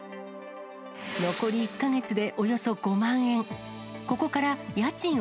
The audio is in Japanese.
残り１か月でおよそ５万円。